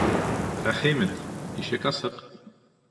Рәхим ит, ишек асыҡ.